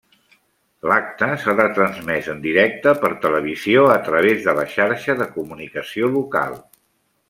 L’acte s’ha retransmès en directe per televisió a través de la Xarxa de Comunicació Local.